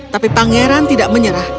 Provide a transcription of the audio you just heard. tapi pangeran tidak menyerah